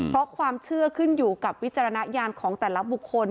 เพราะความเชื่อขึ้นอยู่กับวิจารณญาณของแต่ละบุคคล